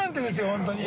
本当に。